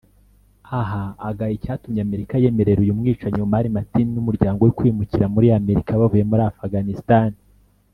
Aha agaya icyatumye Amerika yemerera uyu mwicanyi Omar Mateen n’umuryango we kwimukira muri Amerika bavuye muri Afghanistan